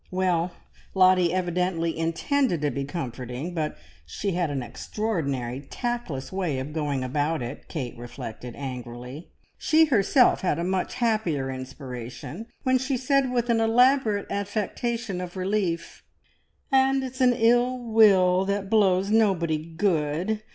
Well, Lottie evidently intended to be comforting, but she had an extraordinary tactless way of going about it, Kate reflected angrily. She herself had a much happier inspiration, when she said with an elaborate affectation of relief "And it's an ill wind that blows nobody good!